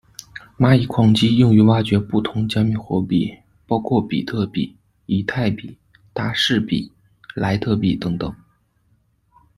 蚂蚁矿机用以挖掘不同加密货币，包括比特币、以太币、达世币、莱特币等等。